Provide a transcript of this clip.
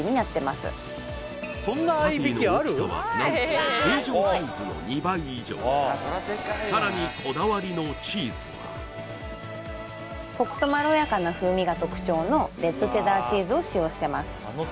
パティの大きさはなんと通常サイズの２倍以上さらにこだわりのチーズはコクとまろやかな風味が特徴のレッドチェダーチーズを使用してます